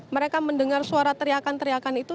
mereka mendengar suara teriakan teriakan itu